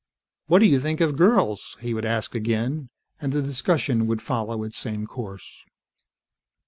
"What do you think of girls?" he would ask again, and the discussion would follow its same course.